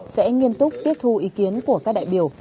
sẽ nghiêm túc tiếp thu ý kiến của các đại biểu